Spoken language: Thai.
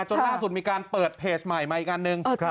จนล่าสุดมีการเปิดเพจใหม่มาอีกอันหนึ่ง